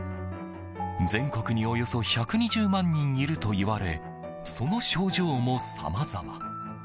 全国におよそ１２０万人いるといわれその症状もさまざま。